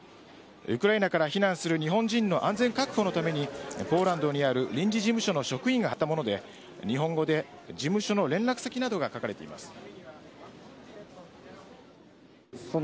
ウクライナから避難する日本人の安全確保のためにポーランドにある臨時事務所の職員が貼ったもので日本語で事務所の連絡先などが書かれています。